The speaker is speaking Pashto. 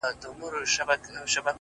ورته ور چي وړې په لپو کي گورگورې’